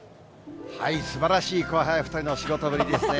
すばらしい後輩２人の仕事ぶりですね。